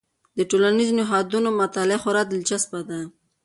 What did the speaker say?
د ټولنیزو نهادونو مطالعه خورا دلچسپ ده.